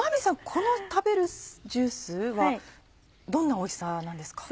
この食べるジュースはどんなおいしさなんですか？